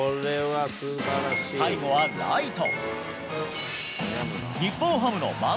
最後はライト。